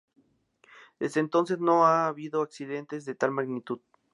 Desde entonces, no ha habido accidentes de tal magnitud.